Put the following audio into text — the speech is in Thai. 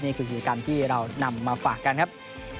นี่คือกิจกรรมที่เรานำมาฝากกันครับ